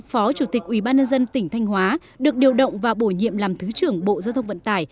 phó chủ tịch ubnd tỉnh thanh hóa được điều động và bổ nhiệm làm thứ trưởng bộ giao thông vận tải